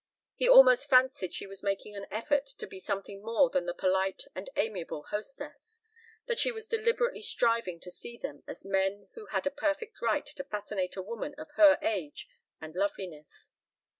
He almost fancied she was making an effort to be something more than the polite and amiable hostess, that she was deliberately striving to see them as men who had a perfect right to fascinate a woman of her age and loveliness.